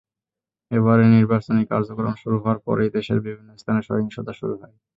এবারের নির্বাচনী কার্যক্রম শুরু হওয়ার পরই দেশের বিভিন্ন স্থানে সহিংসতা শুরু হয়।